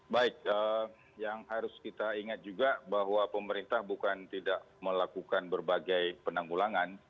baik yang harus kita ingat juga bahwa pemerintah bukan tidak melakukan berbagai penanggulangan